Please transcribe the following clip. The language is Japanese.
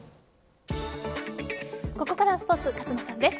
ここからはスポーツ勝野さんです。